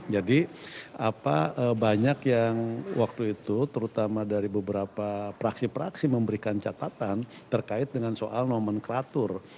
jadi banyak yang waktu itu terutama dari beberapa praksi praksi memberikan catatan terkait dengan soal nomenklatur